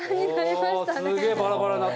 おすげえバラバラになった。